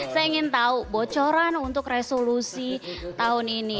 saya ingin tahu bocoran untuk resolusi tahun ini